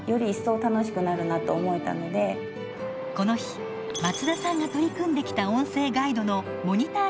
この日松田さんが取り組んできた音声ガイドのモニター